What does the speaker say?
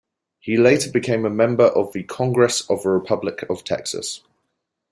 He later became a member of the Congress of the Republic of Texas.